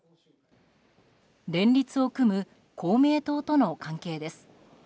連立を組む公明党との関係です。